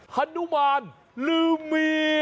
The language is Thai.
ฮนุมานลืมมี